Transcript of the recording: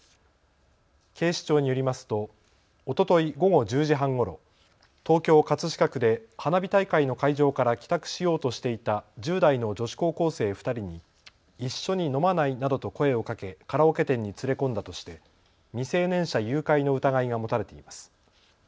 警視庁によりますと、おととい午後１０時半ごろ、東京葛飾区で花火大会の会場から帰宅しようとしていた１０代の女子高校生２人に一緒に飲まないなどと声をかけカラオケ店に連れ込んだとして未成年者誘拐の疑いが持たれています。